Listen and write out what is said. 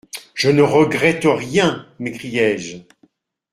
«Je ne regrette rien ! m'écriai-je.